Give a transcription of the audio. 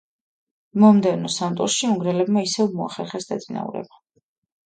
მომდევნო სამ ტურში უნგრელებმა ისევ მოახერხეს დაწინაურება.